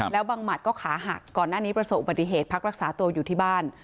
แล้วบังหมัดก็ขาหักก่อนหน้านี้ประสบอุบัติเหตุพักรักษาตัวอยู่ที่บ้าน